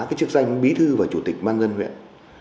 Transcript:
chức danh bi thư và chủ tịch ban dân huyện